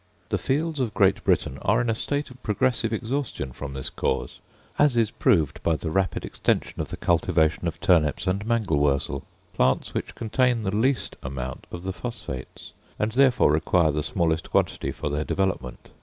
The fields of Great Britain are in a state of progressive exhaustion from this cause, as is proved by the rapid extension of the cultivation of turnips and mangel wurzel plants which contain the least amount of the phosphates, and therefore require the smallest quantity for their development.